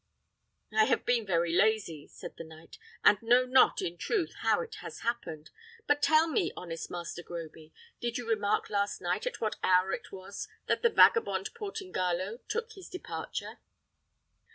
"I have been very lazy," said the knight, "and know not, in truth, how it has happened. But tell me, honest Master Groby, did you remark last night at what hour it was that the vagabond Portingallo took his departure?"